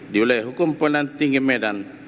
diwilayah hukum pengadilan tinggi medan